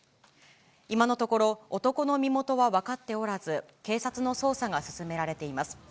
今のところ、男の身元は分かっておらず、警察の捜査が進められています。